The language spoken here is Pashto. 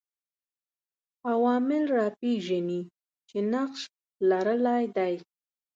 عوامل راپېژني چې نقش لرلای دی